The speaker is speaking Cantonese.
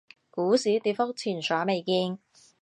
股市跌幅前所未見